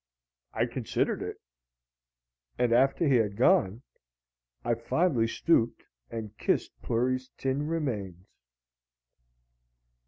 I considered it! And after he had gone, I fondly stooped and kissed Plury's tin remains.